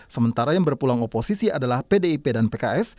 mereka akan kritik akan kasih masukan secara